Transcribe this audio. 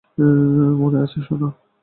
মনে আছে, সোনা।